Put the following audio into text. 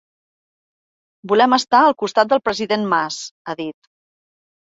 Volem estar al costat del president Mas, ha dit.